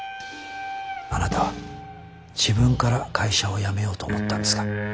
あなたは自分から会社を辞めようと思ったんですか？